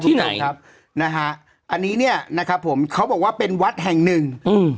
ที่ไหนครับนะฮะอันนี้เนี้ยนะครับผมเขาบอกว่าเป็นวัดแห่งหนึ่งอืม